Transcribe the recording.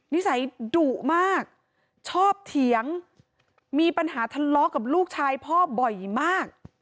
นิสัยดุมากชอบเถียงมีปัญหาทะเลาะกับลูกชายพ่อบ่อยมาก